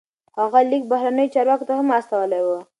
هغه لیک بهرنیو چارواکو ته هم استولی و.